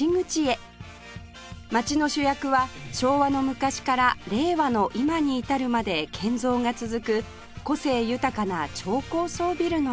街の主役は昭和の昔から令和の今に至るまで建造が続く個性豊かな超高層ビルの群れ